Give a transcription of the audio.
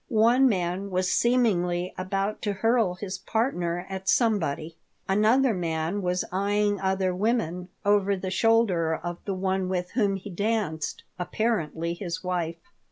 One man was seemingly about to hurl his partner at somebody. Another man was eying other women over the shoulder of the one with whom he danced, apparently his wife.